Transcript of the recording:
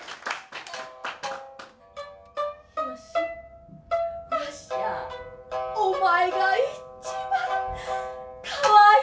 「日吉わしゃお前が一番かわいいのじゃ」。